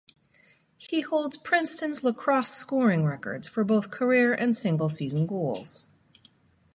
He holds Princeton's lacrosse scoring records for both career and single-season goals.